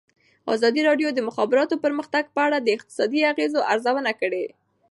ازادي راډیو د د مخابراتو پرمختګ په اړه د اقتصادي اغېزو ارزونه کړې.